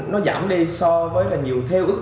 nó giảm đi so với là nhiều theo ước